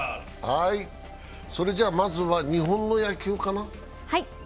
それではまずは日本の野球かな。